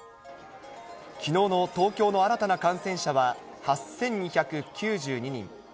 きのうの東京の新たな感染者は８２９２人。